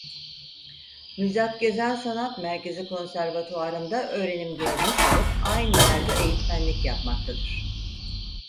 Müjdat Gezen Sanat Merkezi konservatuvarında öğrenim görmüş olup aynı yerde eğitmenlik yapmaktadır.